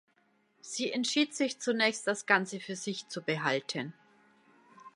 Sie entschied sich zunächst, das Ganze für sich zu behalten.